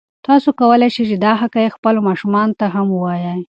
تاسو کولی شئ دا حقایق خپلو ماشومانو ته هم ووایئ.